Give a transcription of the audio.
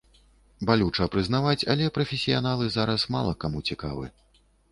Балюча прызнаваць, але прафесіяналы зараз мала каму цікавы.